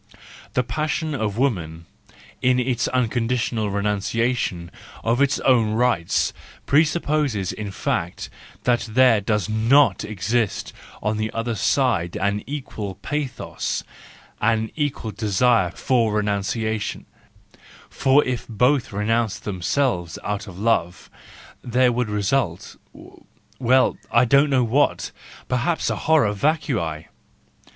,.. The passion of woman in its unconditional renunciation of its own rights presupposes in fact that there does not exist on the other side an equal pathos , an equal desire for renunciation : for if both renounced themselves out of love, there would result—well, I don't know what, perhaps a horror vacui?